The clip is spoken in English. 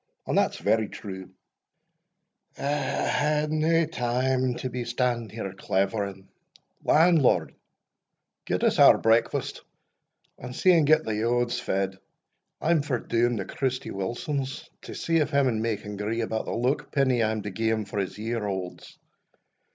And that's very true I hae nae time to be standing here clavering Landlord, get us our breakfast, and see an' get the yauds fed I am for doun to Christy Wilson's, to see if him and me can gree about the luckpenny I am to gie him for his year aulds.